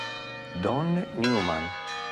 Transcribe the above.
Don Newman